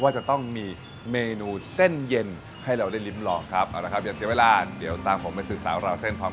จะต้องมีเมนูเส้นเย็นให้เราได้ลิ้มลองครับเอาละครับอย่าเสียเวลาเดี๋ยวตามผมไปสืบสาวราวเส้นพร้อม